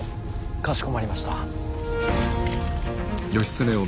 かしこまりました。